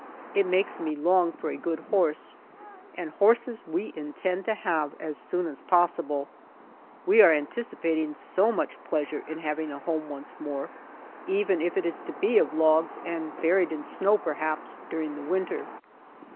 It makes me long for a good horse, and horses we intend to have as soon as possible. We are anticipating so much pleasure in having a home once more, even if it is to be of logs and buried in snow, perhaps, during the winter.